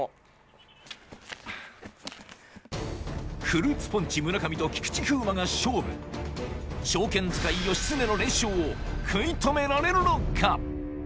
フルーツポンチ・村上と菊池風磨が勝負長剣使い義経の連勝を食い止められるのか？